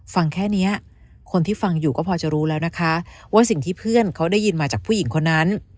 ฟังแค่นี้คนที่ฟังอยู่ก็พอจะรู้แล้วนะคะว่าสิ่งที่เพื่อนเขาได้ยินมาจากผู้หญิงคนนั้น